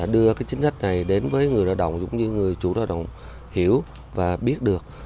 đưa cái chính sách này đến với người lao động giống như người chủ lao động hiểu và biết được